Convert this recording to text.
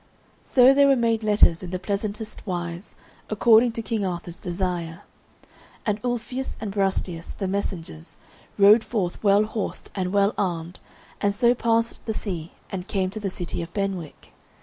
So there were made letters in the pleasantest wise, according to King Arthur's desire, and Ulfius and Brastias, the messengers, rode forth well horsed and well armed, and so passed the sea and came to the city of Benwick.